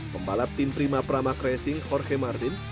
pembalap tim prima pramag racing jorge martin